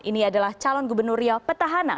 ini adalah calon gubernur ria petahana